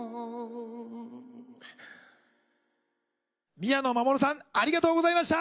宮野真守さんありがとうございました。